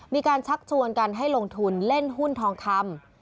ชักชวนกันให้ลงทุนเล่นหุ้นทองคำ